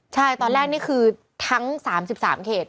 ใช่ตอนแรกนี่คือทั้ง๓๓เขต